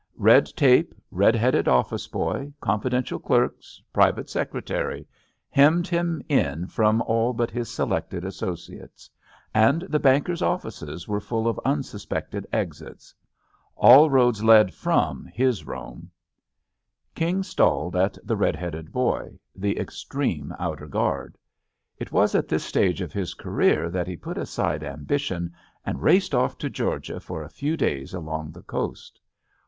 Red tape, red headed office boy, confidential clerks, private secretary, hemmed him in from all but his selected associates. And the banker's offices were full of unsuspected exits. All roads led from his Rome. King stalled at the red headed boy — the extreme outer guard. It was at this stage of his career that he put aside ambition and raced off to Georgia for a few days along the coast.